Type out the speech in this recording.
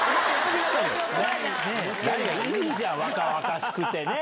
いいじゃん、若々しくて、ねぇ？